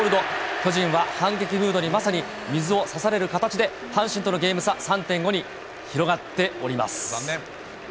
巨人は反撃ムードにまさに水を差される形で、阪神とのゲーム差３．５に広がっております。